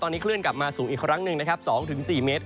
ตอนนี้คลื่นกลับมาสูงอีกครั้งหนึ่งนะครับ๒๔เมตร